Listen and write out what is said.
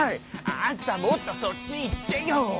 あんたもっとそっちいってよ！